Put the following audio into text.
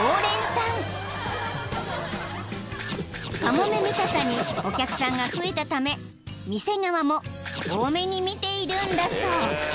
［カモメ見たさにお客さんが増えたため店側も大目に見ているんだそう］